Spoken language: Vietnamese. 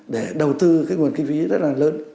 để đầu tư cái nguồn kinh phí rất là lớn